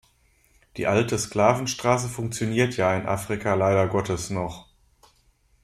Die alte Sklavenstraße funktioniert ja in Afrika leider Gottes noch.